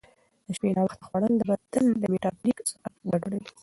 شپې ناوخته خوړل د بدن میټابولیک ساعت ګډوډوي.